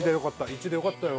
１でよかったよ